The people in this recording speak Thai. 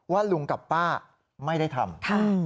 ว่าลุงกับป้าไม่ได้ทำ